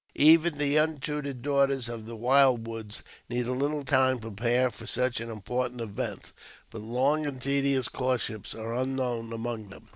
Even the untutored daughters of the wild woods need a little time to prepare for such an important event, but long and tedious courtships are unknown among them.